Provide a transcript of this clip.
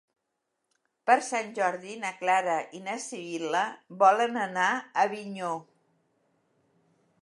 Per Sant Jordi na Clara i na Sibil·la volen anar a Avinyó.